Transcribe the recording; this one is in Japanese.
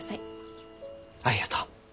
ありがとう。